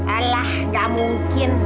alah gak mungkin